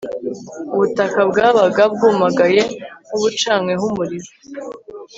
Ubutaka bwabaga bwumagaye nkubucanyweho umuriro